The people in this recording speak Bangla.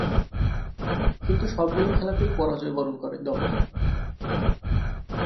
কিন্তু, সবগুলো খেলাতেই পরাজয়বরণ করে দলটি।